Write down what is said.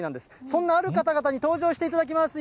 そんなある方々に登場していただきます。